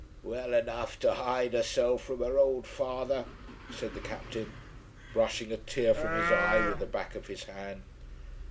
"Well enough to hide herself from her old father," said the Captain, brushing a tear from his eye with the back of his hand.